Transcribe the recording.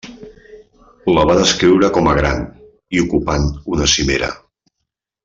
La va descriure com a gran, i ocupant una cimera.